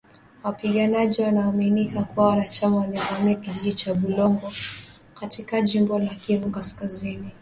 wapiganaji wanaoaminika kuwa wanachama walivamia kijiji cha Bulongo katika jimbo la Kivu kaskazini